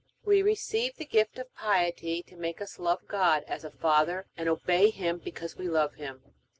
We receive the gift of Piety to make us love God as a Father and obey Him because we love Him.